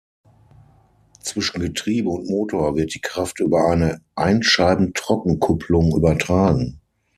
Zwischen Getriebe und Motor wird die Kraft über eine Einscheibentrockenkupplung übertragen.